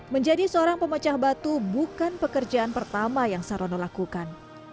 menjadi seorang pemecah batu bukan pekerjaan pertama yang sarono lakukan